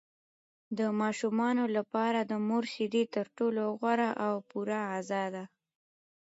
د ماشومانو لپاره د مور شیدې تر ټولو غوره او پوره غذا ده.